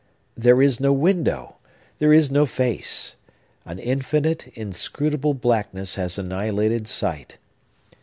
There is no window! There is no face! An infinite, inscrutable blackness has annihilated sight!